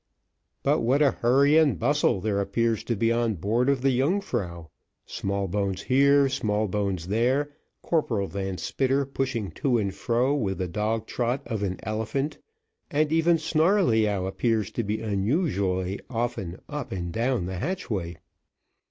But what a hurry and bustle there appears to be on board of the Yungfrau Smallbones here, Smallbones there Corporal Van Spitter pushing to and fro with the dog trot of an elephant; and even Snarleyyow appears to be unusually often up and down the hatchway.